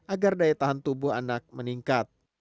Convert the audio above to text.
agar daya tahan tubuh anak meningkat